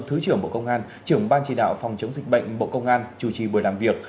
thứ trưởng bộ công an trưởng ban chỉ đạo phòng chống dịch bệnh bộ công an chủ trì buổi làm việc